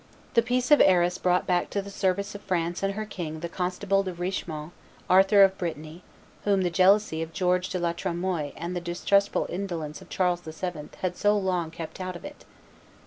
The peace of Arras brought back to the service of France and her king the constable De Richemont, Arthur of Brittany, whom the jealousy of George de la Tremoille and the distrustful indolence of Charles VII. had so long kept out of it.